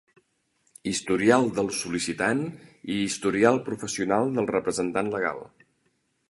Historial del sol·licitant i historial professional del representant legal.